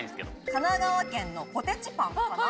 神奈川県のポテチパンかな。